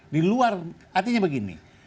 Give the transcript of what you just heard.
di luar artinya begini